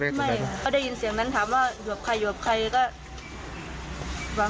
แต่เขาไม่ได้พูดมารถชนอะไรเขาไม่พูดเลยใช่ไหม